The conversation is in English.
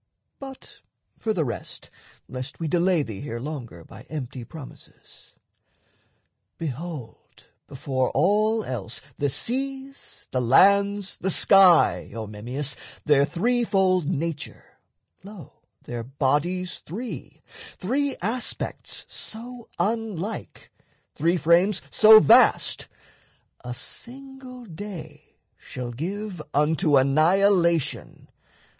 But for the rest, lest we delay thee here Longer by empty promises behold, Before all else, the seas, the lands, the sky: O Memmius, their threefold nature, lo, Their bodies three, three aspects so unlike, Three frames so vast, a single day shall give Unto annihilation!